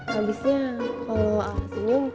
habisnya kalau a'a senyum